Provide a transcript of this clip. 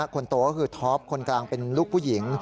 คนโตก็คือท็อปคนกลางเป็นลูกผู้หญิง